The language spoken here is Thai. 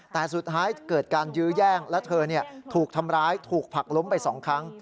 แต่สุดท้ายเกิดการยื้อแย่งและเธอถูกทำร้ายถูกผักล้มไป๒ครั้ง